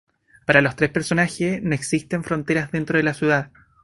Para los tres personajes, no existen fronteras dentro de la ciudad.